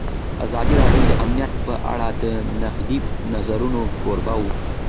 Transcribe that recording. ازادي راډیو د امنیت په اړه د نقدي نظرونو کوربه وه.